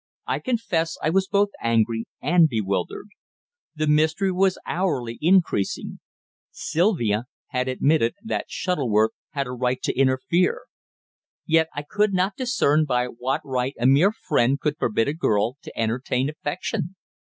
I confess I was both angry and bewildered. The mystery was hourly increasing. Sylvia had admitted that Shuttleworth had a right to interfere. Yet I could not discern by what right a mere friend could forbid a girl to entertain affection.